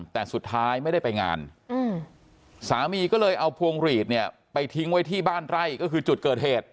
แต่สุดท้ายไม่ได้ไปงานสามีก็เลยเอาพวงหลีดเนี่ยไปทิ้งไว้ที่บ้านไร่ก็คือจุดเกิดเหตุ